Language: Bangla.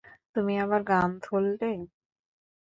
তুমি আবার গান ধরলে?